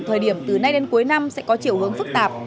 thời điểm từ nay đến cuối năm sẽ có chiều hướng phức tạp